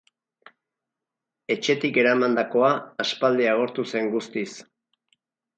Etxetik eramandakoa aspaldi agortu zen guztiz.